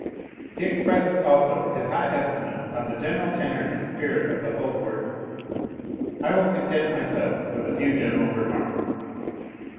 He expresses, also, his high estimate of the general tenor and spirit of the whole work.) I will content myself with a few general remarks.